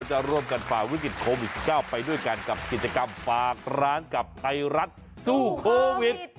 เราจะร่วมกันฝากวิกฤตโควิดสิชาวไปด้วยกันกับกิจกรรมฝากร้านกับไตรัศน์สู้โควิด